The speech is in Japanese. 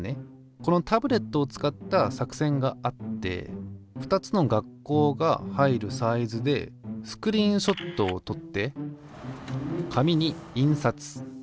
このタブレットを使った作戦があって２つの学校が入るサイズでスクリーンショットをとって紙に印刷。